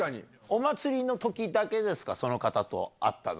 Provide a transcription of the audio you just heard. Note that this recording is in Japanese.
お祭りのときだけですか？